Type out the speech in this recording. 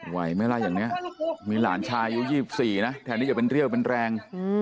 ไหวไม่ไล่อย่างเนี้ยมีหลานชายุที่ยี่สิบสี่นะแถนนี้จะเป็นเรี่ยวเป็นแรง